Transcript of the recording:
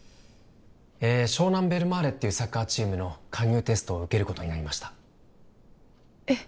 湘南ベルマーレっていうサッカーチームの加入テストを受けることになりましたえっ？